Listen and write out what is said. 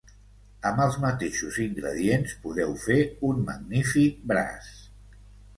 Amb els mateixos ingredients podeu fer un magnífic braç